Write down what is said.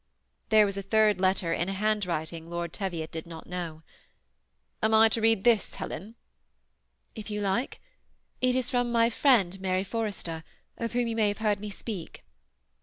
'* There was a third letter in a handwriting Lord Teviot did not know. '^ Am I to read this, Helen ?" "If you Uke. It i? from my friend Mary Forrester, of whom you may have heard me speak."